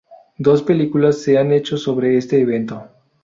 Dos películas se han hecho sobre este evento.